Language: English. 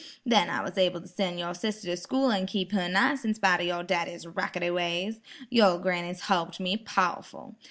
Then I was able to sen' yer sister to school an' keep her nice in spite 'o yer daddy's racketty ways. Yer granny's holped me powful.